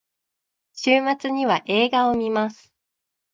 週末には映画を観ます。